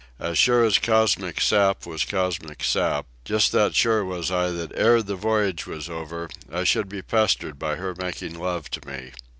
As sure as cosmic sap was cosmic sap, just that sure was I that ere the voyage was over I should be pestered by her making love to me.